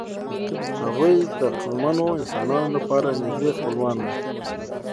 هغوی د عقلمنو انسانانو لپاره نږدې خپلوان وو.